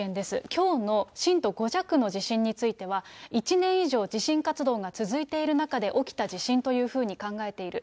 きょうの震度５弱の地震については、１年以上、地震活動が続いている中で起きた地震というふうに考えている。